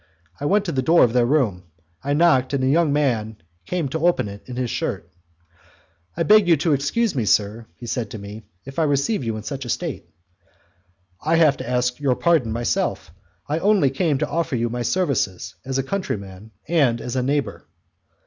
I went to the door of their room, I knocked, and a young man came to open it in his shirt. "I beg you to excuse me, sir," he said to me, "if I receive you in such a state." "I have to ask your pardon myself. I only come to offer you my services, as a countryman and as a neighbour."